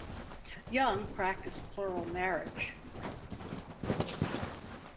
Young practiced plural marriage.